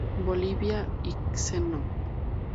Bolivia y Cno.